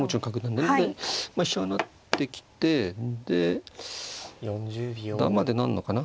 で飛車を成ってきてでだまで成るのかな。